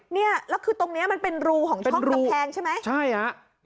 เนี่ยแล้วคือตรงเนี้ยมันเป็นรูของช่องกำแพงใช่ไหมใช่ฮะ